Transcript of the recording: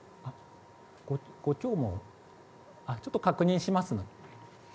ちょっと確認します。